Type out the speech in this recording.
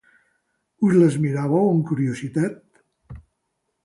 Us les miràveu amb curiositat.